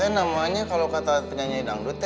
namanya kalo kata penyanyi dangdut